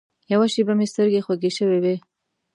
یوه شېبه مې سترګې خوږې شوې وې.